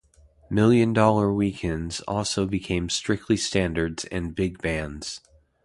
Million Dollar Weekends also became strictly Standards and Big Bands.